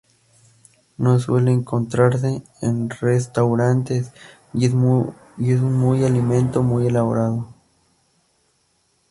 No suele encontrarse en restaurantes y es muy alimento muy elaborado.